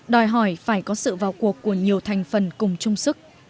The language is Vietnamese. đòi hỏi phải có sự vào cuộc của nhiều thành phần cùng chung sức